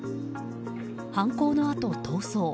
犯行のあと逃走。